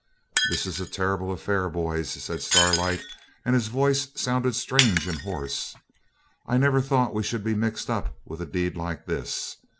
'This is a terrible affair, boys,' said Starlight; and his voice sounded strange and hoarse. 'I never thought we should be mixed up with a deed like this.